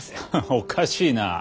おかしいなあ。